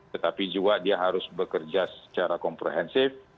tetapi juga dia harus bekerja secara komprehensif